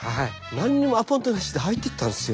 何にもアポイントなしで入っていったんですよ。